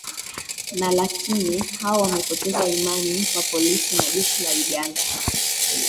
na lakini hao wamepoteza imani kwa polisi na jeshi la uganda